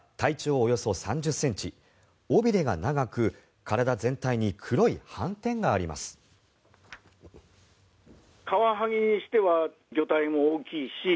およそ３０ｃｍ尾びれが長く体全体に黒い斑点があります。